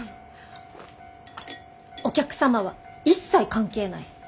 「お客様は一切関係ない。